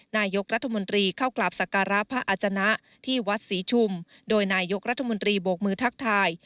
นายกรัฐมนตรีเข้ากราบสักการะพระอาจนะที่วัดศรีชุมโดยนายกรัฐมนตรีโบกมือทักทาย